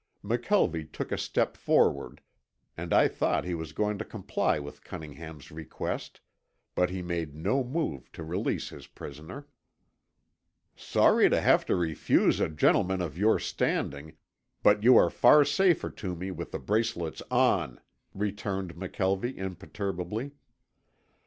McKelvie took a step forward and I thought he was going to comply with Cunningham's request, but he made no move to release his prisoner. "Sorry to have to refuse a gentleman of your standing, but you are far safer to me with the bracelets on," returned McKelvie imperturbably.